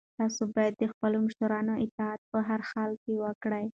تاسو باید د خپلو مشرانو اطاعت په هر حال کې وکړئ.